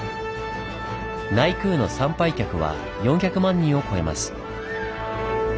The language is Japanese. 内宮の参拝客は４００万人を超えます。